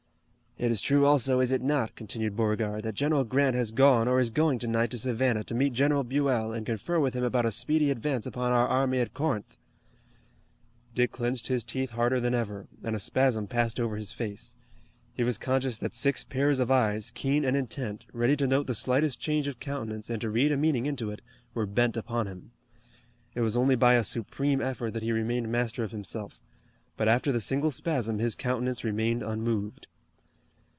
"It is true also, is it not," continued Beauregard, "that General Grant has gone or is going tonight to Savannah to meet General Buell, and confer with him about a speedy advance upon our army at Corinth?" Dick clenched his teeth harder than ever, and a spasm passed over his face. He was conscious that six pairs of eyes, keen and intent, ready to note the slightest change of countenance and to read a meaning into it, were bent upon him. It was only by a supreme effort that he remained master of himself, but after the single spasm his countenance remained unmoved.